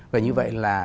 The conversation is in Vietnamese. và như vậy là